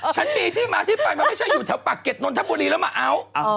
ฉันมีที่มาที่ไปมันไม่ใช่อยู่แถวปากเก็ตนนทบุรีแล้วมาเอา